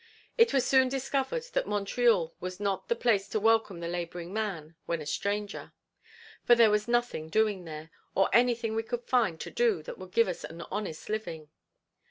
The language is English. It was soon discovered that Montreal was not the place to welcome the laboring man when a stranger; for there was nothing doing there, or anything we could find to do that would give us an honest living.